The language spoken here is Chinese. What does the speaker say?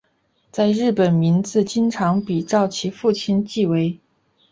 在日本名字经常比照其父表记为。